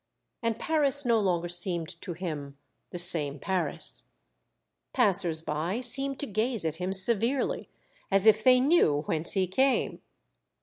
And Paris no longer seemed to him the same Paris. Passers by seemed to gaze at him severely, as if they knew whence he came.